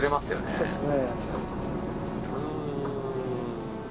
そうっすね。